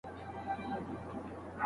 دري بې ادبیاتو نه ده.